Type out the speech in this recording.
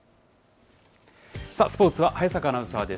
スポーツは早坂アナウンサーです。